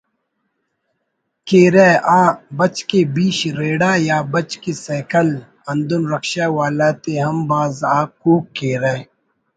کیرہ ”آ…… بچکے بیش ریڑا“یا ”……بچکے سیکل“ ہندن رکشہ والاتے ہم بھاز آک کوک کیرہ……